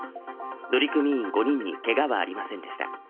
乗組員５人にけがはありませんでした。